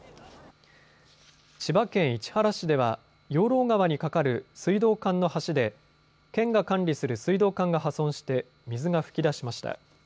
千葉県市原市では養老川に架かる水道管の橋で県が管理する水道管が破損して水が噴き出しました。